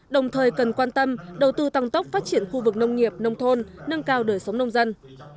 đồng thời cần quan tâm đầu tư tăng tốc phát triển khu vực nông nghiệp nông thôn nâng cao đời sống nông dân